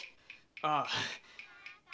ああ。